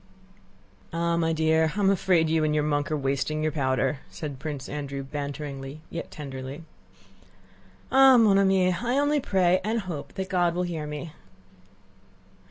"Ah! my dear, I am afraid you and your monk are wasting your powder," said Prince Andrew banteringly yet tenderly. "Ah! mon ami, I only pray, and hope that God will hear me.